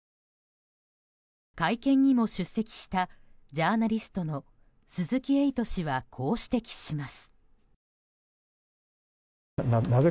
会見にも出席したジャーナリストの鈴木エイト氏はこう指摘します。